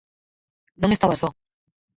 Non estaba só.